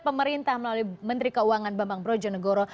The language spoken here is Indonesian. pemerintah melalui menteri keuangan bambang brojonegoro